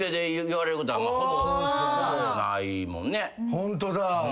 ホントだ。